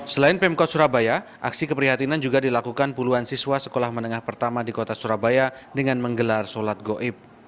selain pemkot surabaya aksi keprihatinan juga dilakukan puluhan siswa sekolah menengah pertama di kota surabaya dengan menggelar sholat goib